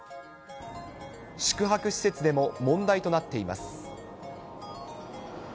宿泊施設でも問題となっています。